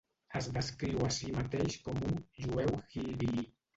Es descriu a si mateix com un "jueu hillbilly".